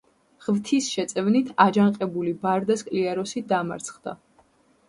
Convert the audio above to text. ღვთის შეწევნით, აჯანყებული ბარდა სკლიაროსი დამარცხდა.